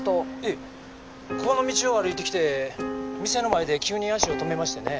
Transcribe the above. ええこの道を歩いてきて店の前で急に足を止めましてね。